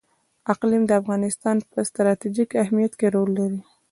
اقلیم د افغانستان په ستراتیژیک اهمیت کې رول لري.